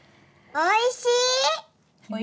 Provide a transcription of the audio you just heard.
おいしい。